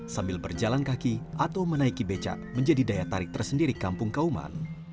sambil berjalan kaki atau menaiki becak menjadi daya tarik tersendiri kampung kauman